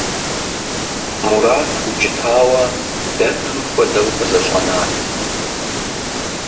Мурат, укӀытауэ, дэпым хуэдэу къызэщӀэнат.